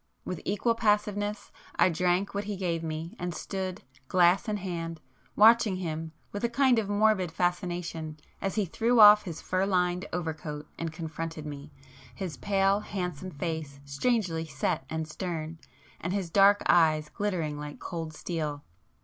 With equal passiveness I drank what he gave me, and stood, glass in hand, watching him with a kind of morbid fascination as he threw off his fur lined overcoat and confronted me, his pale handsome face strangely set and stern, and his dark eyes glittering like cold steel.